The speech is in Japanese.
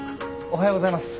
おはようございます。